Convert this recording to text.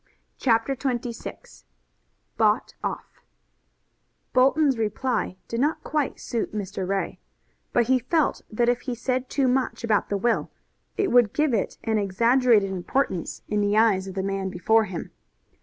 CHAPTER XXVI BOUGHT OFF Bolton's reply did not quite suit Mr. Ray, but he felt that if he said too much about the will it would give it an exaggerated importance in the eyes of the man before him.